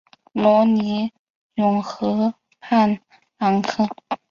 罗尼永河畔朗科。